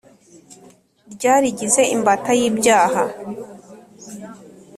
Ryarigize imbata y’ibyaha